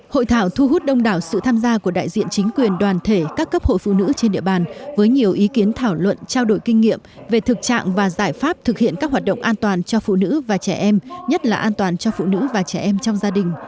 hội thảo thu hút đông đảo sự tham gia của đại diện chính quyền đoàn thể các cấp hội phụ nữ trên địa bàn với nhiều ý kiến thảo luận trao đổi kinh nghiệm về thực trạng và giải pháp thực hiện các hoạt động an toàn cho phụ nữ và trẻ em nhất là an toàn cho phụ nữ và trẻ em trong gia đình